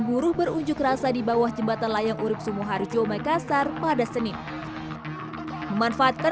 buruh berunjuk rasa di bawah jembatan layang urib sumuhari jome kasar pada senin memanfaatkan